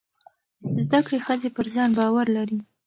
زده کړې ښځې پر ځان باور لري.